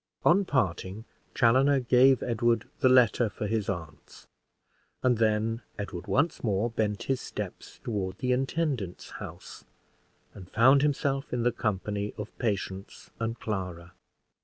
On parting, Chaloner gave Edward the letter for his aunts; and then Edward once more bent his steps toward the intendant's house, and found himself in the company of Patience and Clara.